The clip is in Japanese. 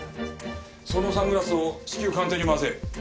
そのサングラスを至急鑑定に回せ。